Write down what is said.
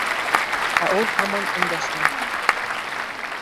Ә ул һаман өндәшмәй.